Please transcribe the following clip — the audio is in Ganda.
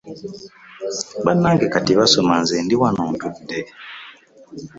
Bannange kati basoma nze ndi wano ntudde.